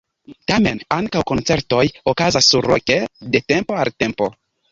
Tamen ankaŭ koncertoj okazas surloke de tempo al tempo.